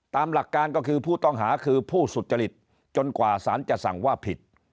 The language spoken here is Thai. ตามหลักการก็คือผู้ต้องหาคือผู้สุจริตจนกว่าสารจะสั่งว่าผิด